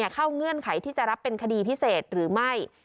เงื่อนไขที่จะรับเป็นคดีพิเศษหรือไม่